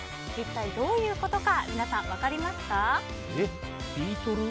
一体どういうことか皆さん、分かりますか？